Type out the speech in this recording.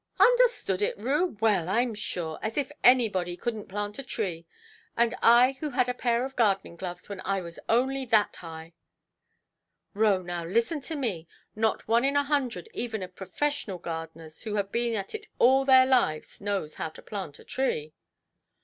"Understood it, Rue! Well, Iʼm sure! As if anybody couldnʼt plant a tree! And I, who had a pair of gardening gloves when I was only that high"! "Roe, now listen to me. Not one in a hundred even of professional gardeners, who have been at it all their lives, knows how to plant a tree".